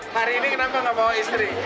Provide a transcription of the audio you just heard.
hari ini kenapa nggak bawa istri